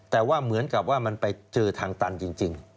แต่ว่าเหมือนกับว่ามันไปเจอทางตันจริง